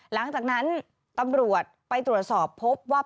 หลังจากนั้นตำรวจไปตรวจสอบพบว่า